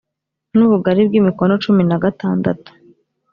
n ubugari bw imikono cumi na gatandatu